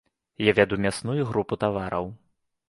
Я вяду мясную групу тавараў.